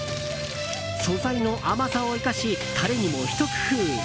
素材の甘さを生かしタレにもひと工夫。